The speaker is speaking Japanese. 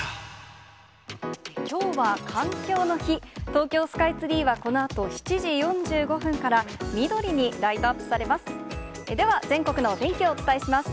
東京スカイツリーはこのあと７時４５分から、緑にライトアップされます。